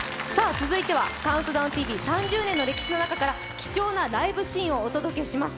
続いては「ＣＤＴＶ」３０年の歴史の中から貴重なライブシーンをお届けします。